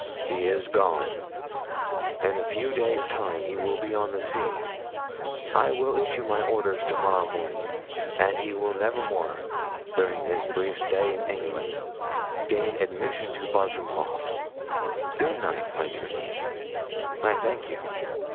He is gone. In a few days' time he will be on the sea. I will issue my orders to morrow morning, and he will never more, during his brief stay in England, gain admission to Bartram Haugh. Good night, my good niece; I thank you.'